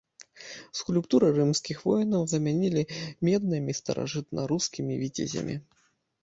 Скульптуры рымскіх воінаў замянілі меднымі старажытнарускімі віцязямі.